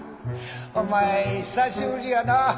お前久しぶりやな。